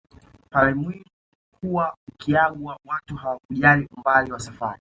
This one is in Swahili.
Pale mwili ulikuwa ukiagwa watu hawakujali umbali wa safari